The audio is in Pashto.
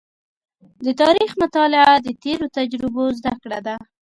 د تاریخ مطالعه د تېرو تجربو زده کړه ده.